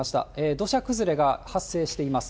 土砂崩れが発生しています。